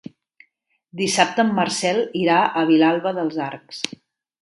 Dissabte en Marcel irà a Vilalba dels Arcs.